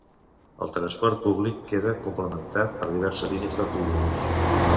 El transport públic queda complementat per diverses línies d'autobusos.